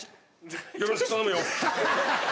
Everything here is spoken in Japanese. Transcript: よろしく頼むよ。